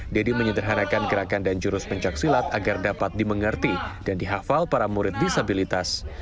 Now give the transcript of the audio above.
deddy menyederhanakan gerakan dan jurus pencaksilat agar dapat dimengerti dan dihafal para murid disabilitas